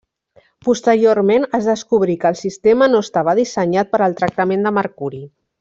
Posteriorment es descobrí que el sistema no estava dissenyat per al tractament de mercuri.